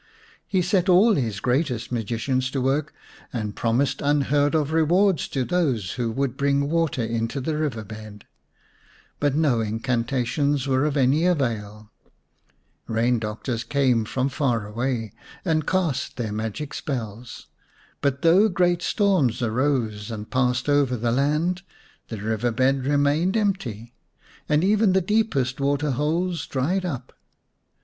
He set all his greatest magicians to work, and promised unheard G The Serpent's Bride vm of rewards to those who would bring water into the river bed ; but no incantations were of any avail. Eain doctors came from far away and cast their magic spells ; but though great storms arose and passed over the land, the river bed re mained empty, and even the deepest water holes dried up.